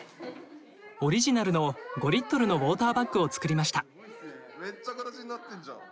オリジナルの５リットルのウォーターバッグを作りました。